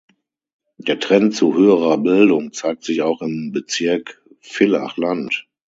Der Trend zu höherer Bildung zeigt sich auch im Bezirk Villach Land.